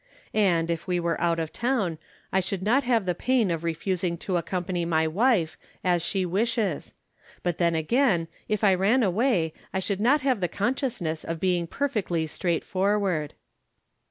And, if ■we were out of town, I should not have the pain of refusing to accompany my wife, as she wishes ; but then, again, if I ran away, I should not have the consciousness of being perfectly straightfor ward.